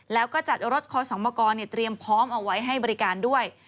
แล้วก็จัดรถคอสมกรเตรียมพร้อมเอาไว้ให้บริการด้วย